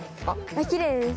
きれいです。